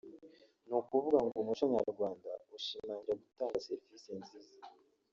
ni ukuvuga ngo umuco nyarwanda ushimangira gutanga serivisi nziza